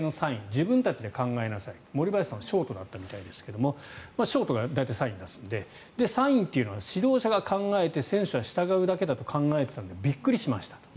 自分たちで考えなさい森林さんはショートだったみたいですがショートが大体サインを出すのでサインというのは指導者が考えて選手は従うだけだと考えていたのでびっくりしました。